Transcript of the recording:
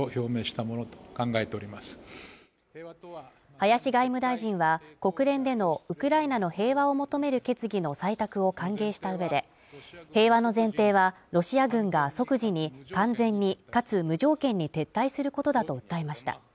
林外務大臣は、国連でのウクライナの平和を求める決議の採択を歓迎した上で、平和の前提は、ロシア軍が即時に完全にかつ無条件に撤退することだと訴えました。